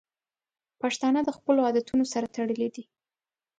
پښتانه د خپلو عادتونو سره تړلي دي.